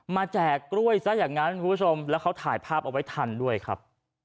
แจกกล้วยซะอย่างนั้นคุณผู้ชมแล้วเขาถ่ายภาพเอาไว้ทันด้วยครับ